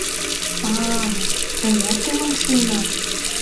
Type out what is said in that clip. А-а-а, тыят толын шуынат?!